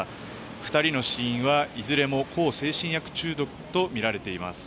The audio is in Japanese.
２人の死因はいずれも向精神薬中毒とみられています。